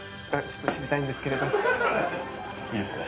いいですか？